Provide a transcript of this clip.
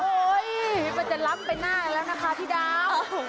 คิดว่าจะล้ำไปหน้าแล้วนะคะพี่ดาว